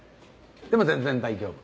でも全然大丈夫。